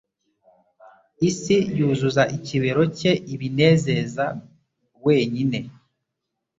Isi yuzuza ikibero cye ibinezeza wenyine;